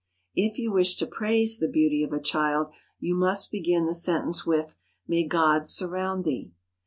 If you wish to praise the beauty of a child you must begin the sentence with, "May God surround thee."